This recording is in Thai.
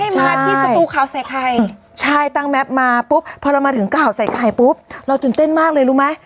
มาที่สตูข่าวใส่ไข่ใช่ตั้งแม็ปมาปุ๊บพอเรามาถึงข่าวใส่ไข่ปุ๊บเราตื่นเต้นมากเลยรู้ไหม